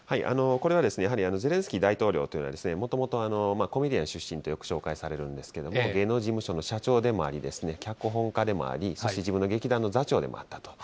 これはですね、やはりゼレンスキー大統領というのは、もともとコメディアン出身とよく紹介されるんですけれども、芸能事務所の社長でもあり、脚本家でもあり、そして自分の劇団の座長でもあると。